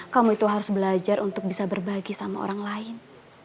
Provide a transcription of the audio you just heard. kamu itu harus belajar untuk bisa berbagi sama orang lain